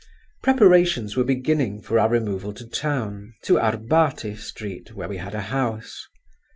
Preparations were beginning for our removal to town, to Arbaty Street, where we had a house.